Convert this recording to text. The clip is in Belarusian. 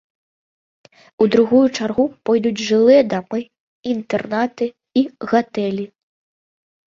У другую чаргу пойдуць жылыя дамы, інтэрнаты і гатэлі.